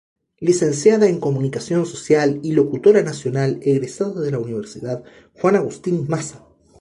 Licenciada en Comunicación Social y Locutora Nacional egresada de la Universidad Juan Agustín Maza.